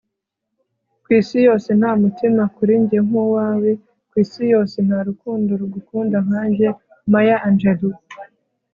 kw'isi yose, nta mutima kuri njye nk'uwawe. ku isi yose, nta rukundo rugukunda nkanjye. - maya angelou